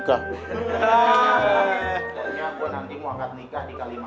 seharusnya gue nanti mau angkat nikah di kalimantan